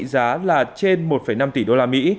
giá là trên một năm tỷ usd